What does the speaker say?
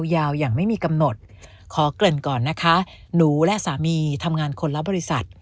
ยาวอย่างไม่มีกำหนดขอเกริ่นก่อนนะคะหนูและสามีทำงานคนละบริษัท